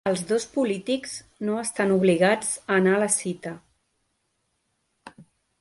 Els dos polítics no estan obligats a anar a la cita